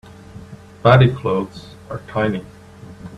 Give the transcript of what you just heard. Bady clothes are tiny.